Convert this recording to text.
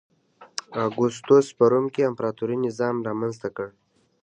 اګوستوس په روم کې امپراتوري نظام رامنځته کړ